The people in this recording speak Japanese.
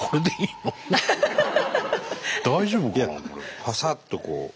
いやパサッとこう。